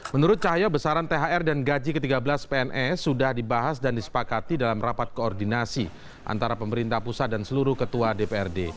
menurut cahaya besaran thr dan gaji ke tiga belas pns sudah dibahas dan disepakati dalam rapat koordinasi antara pemerintah pusat dan seluruh ketua dprd